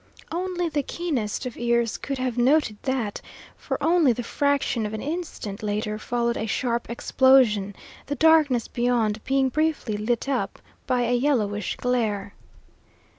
Only the keenest of ears could have noted that, for only the fraction of an instant later followed a sharp explosion, the darkness beyond being briefly lit up by a yellowish glare.